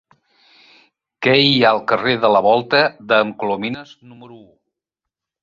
Què hi ha al carrer de la Volta d'en Colomines número u?